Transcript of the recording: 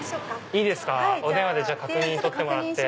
いいですか確認取ってもらって。